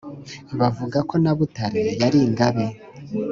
bavuga ko na butare yari ingabe;